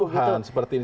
kegaduhan seperti ini